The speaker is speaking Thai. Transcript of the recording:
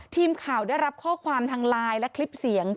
ทีมข่าวได้รับข้อความทางไลน์และคลิปเสียง